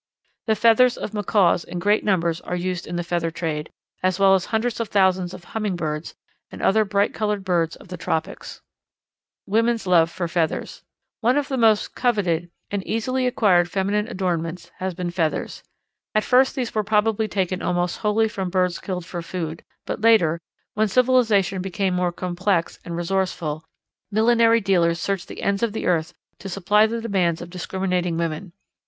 The feathers of Macaws in great numbers are used in the feather trade, as well as hundreds of thousands of Hummingbirds, and other bright coloured birds of the tropics. [Illustration: Crowned Pigeon That Furnishes the Goura of the Feather Trade] Women's Love for Feathers. One of the most coveted and easily acquired feminine adornments has been feathers. At first these were probably taken almost wholly from birds killed for food, but later, when civilization became more complex and resourceful, millinery dealers searched the ends of the earth to supply the demands of discriminating women.